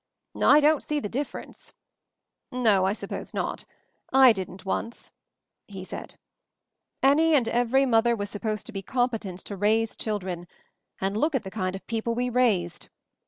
"I don't see the difference." "No, I suppose not. I didn't, once," he said. "Any and every mother was supposed MOVING THE MOUNTAIN 107 to be competent to 'raise' children — and look at the kind of people we raised!